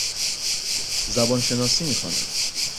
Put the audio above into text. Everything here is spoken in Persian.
زبان شناسی می خوانم.